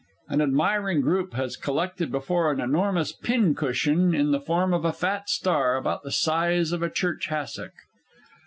_An admiring group has collected before an enormous pin cushion in the form of a fat star, and about the size of a Church hassock.